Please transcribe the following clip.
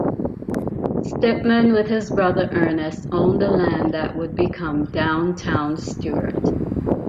Stypmann, with his brother Ernest, owned the land that would become downtown Stuart.